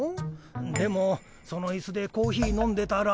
でもそのイスでコーヒー飲んでたら。